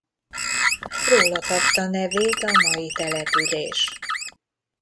Róla kapta nevét a mai település.